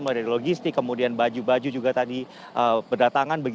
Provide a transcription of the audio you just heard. mulai dari logistik kemudian baju baju juga tadi berdatangan